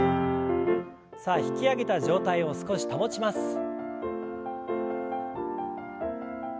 さあ引き上げた状態を少し保ちます。